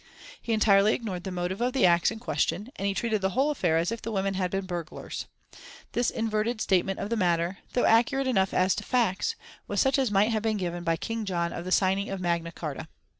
He entirely ignored the motive of the acts in question, and he treated the whole affair as if the women had been burglars. This inverted statement of the matter, though accurate enough as to facts, was such as might have been given by King John of the signing of Magna Charta.